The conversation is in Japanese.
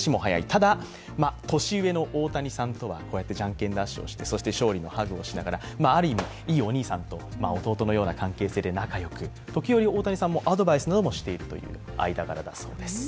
ただ、年上の大谷さんとはこうやってじゃんけんダッシュをして勝利のハグをしながらある意味、いいお兄さんと弟のような関係性で仲良く、時折、大谷さんもアドバイスをしている間柄だそうです。